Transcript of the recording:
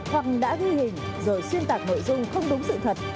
hoặc đã ghi hình rồi xuyên tạc nội dung không đúng sự thật